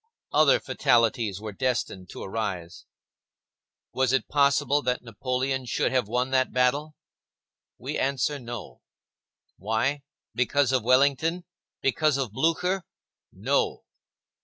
Other fatalities were destined to arise. Was it possible that Napoleon should have won that battle? We answer No. Why? Because of Wellington? Because of Blücher? No.